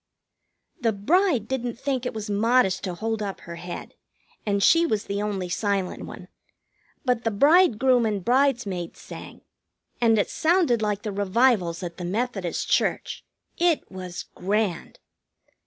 The bride didn't think it was modest to hold up her head, and she was the only silent one. But the bridegroom and bridesmaids sang, and it sounded like the revivals at the Methodist church. It was grand.